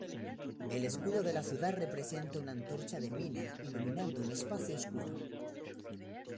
El escudo de la ciudad representa un antorcha de mina, iluminando un espacio oscuro.